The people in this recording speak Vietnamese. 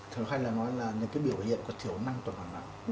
thường hay là nói là những cái biểu hiện có thiểu năng tổng hợp nặng